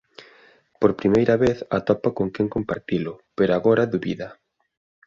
Por primeira vez atopa con quen compartilo, pero agora dubida.